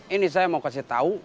ini saya mau kasih tahu